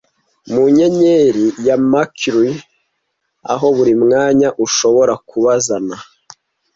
Mu nyenyeri ya Mercury, aho buri mwanya ushobora kubazana